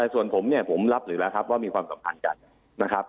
ส่วนผมเนี่ยผมรับอยู่แล้วครับว่ามีความสัมพันธ์กันนะครับ